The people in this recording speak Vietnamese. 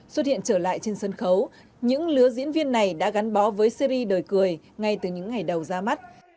xuất hiện trở lại trên sân khấu những lứa diễn viên này đã gắn bó với syri đời cười ngay từ những ngày đầu ra mắt